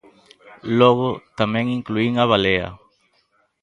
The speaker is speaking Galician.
Logo, tamén incluín a balea.